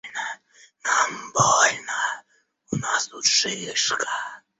Нам больно, у нас тут шишка.